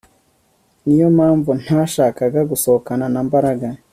Niyo mpamvu ntashakaga gusohokana na Mbaraga